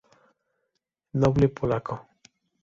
Noble polaco.